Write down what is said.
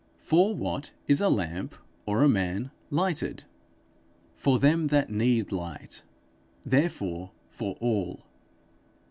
For what is a lamp or a man lighted? For them that need light, therefore for all.